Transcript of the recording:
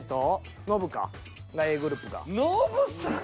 ノブさん？